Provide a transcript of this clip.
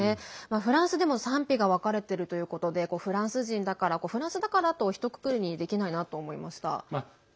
フランスでも賛否が分かれてるということでフランス人だからフランスだからとひとくくりにできないなと思いました。